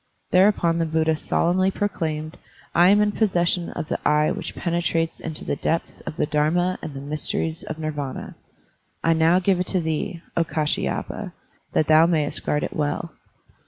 Thereupon the Buddha solemnly proclaimed, "I am in possession of the Eye which penetrates into the depths of the Dharma and the mysteries of Nirvana. I now give it to thee, O Kdshyapa, that thou mayest guard it well."